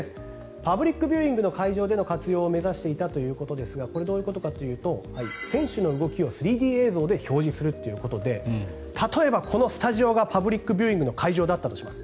パブリックビューイングの会場での活用を目指していたということですがこれ、どういうことかというと選手の動きを３Ｄ映像で表示するということで例えばこのスタジオがパブリックビューイングの会場だったとします。